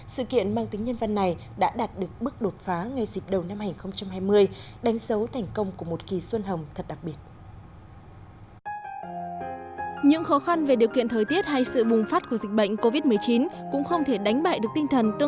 sự kiện mang tính nhân văn này đã đạt được bước đột phá ngay dịp đầu năm hai nghìn hai mươi đánh dấu thành công của một kỳ xuân hồng thật đặc biệt